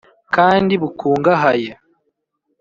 kandi bukungahaye